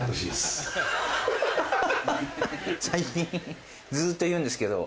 最近ずっと言うんですけど。